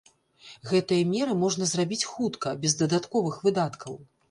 Гэтыя меры можна зрабіць хутка, без дадатковых выдаткаў.